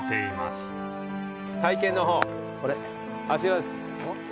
体験の方あちらです。